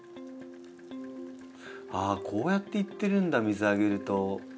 こうやって行ってるんだ水あげると。